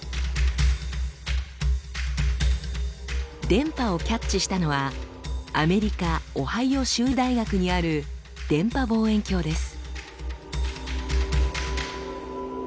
電波をキャッチしたのはアメリカオハイオ州立大学にある電波望遠鏡です。